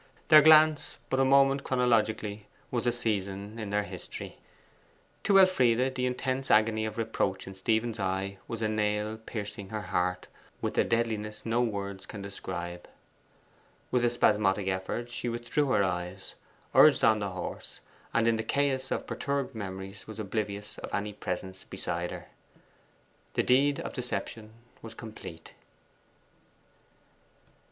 Their glance, but a moment chronologically, was a season in their history. To Elfride the intense agony of reproach in Stephen's eye was a nail piercing her heart with a deadliness no words can describe. With a spasmodic effort she withdrew her eyes, urged on the horse, and in the chaos of perturbed memories was oblivious of any presence beside her. The deed of deception was complete.